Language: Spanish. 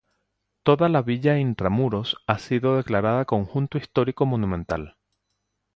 Toda la villa intramuros ha sido declarada conjunto histórico monumental.